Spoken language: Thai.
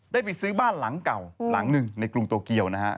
ไปซื้อบ้านหลังเก่าหลังหนึ่งในกรุงโตเกียวนะฮะ